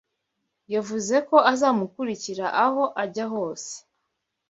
Yavuze ko azamukurikira aho yajya hose.